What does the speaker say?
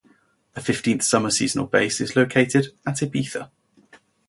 A fifteenth summer seasonal base is located at Ibiza.